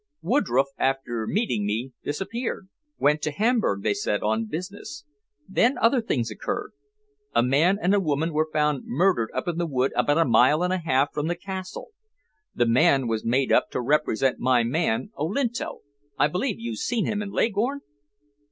"Woodroffe, after meeting me, disappeared went to Hamburg, they said, on business. Then other things occurred. A man and woman were found murdered up in the wood about a mile and a half from the castle. The man was made up to represent my man Olinto I believe you've seen him in Leghorn?"